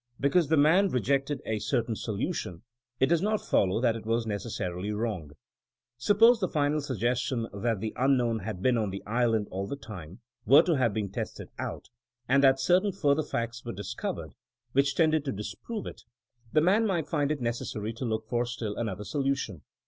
Because the man rejected a certain solution, it does not follow that it was neces sarily wrong. Suppose the final suggestion — that the unknown had been on the island all the titae — ^were to have been tested out, and that cer tain further facts were discovered which tended THINBINa AS A 80IEN0E 65 to disprove it ; the man might find it necessary to look for still another solution.